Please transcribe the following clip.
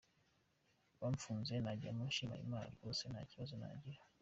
Bamfunze najyamo nshima Imana rwose nta kibazo nagira.